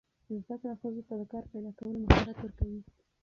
زده کړه ښځو ته د کار پیدا کولو مهارت ورکوي.